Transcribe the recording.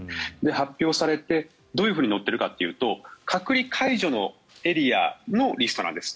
発表されて、どういうふうに載っているかというと隔離解除のエリアのリストなんです。